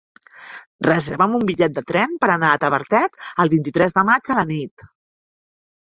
Reserva'm un bitllet de tren per anar a Tavertet el vint-i-tres de maig a la nit.